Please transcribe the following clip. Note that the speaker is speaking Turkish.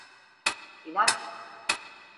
İlaç!